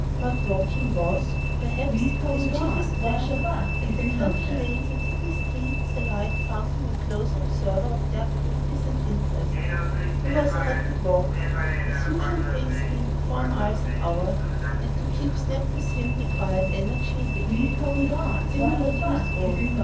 But walking was, perhaps, his chiefest pleasure, and the country lanes and city streets alike found him a close observer of their beauties and interests. He was a rapid walker, his usual pace being four miles an hour, and to keep step with him required energy and activity similar to his own.